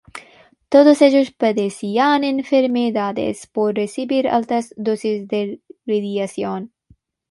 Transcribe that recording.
Todos ellos padecían enfermedades por recibir altas dosis de radiación.